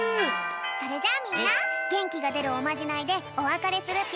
それじゃあみんなげんきがでるおまじないでおわかれするぴょん。